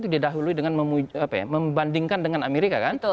didahului dengan membandingkan dengan amerika kan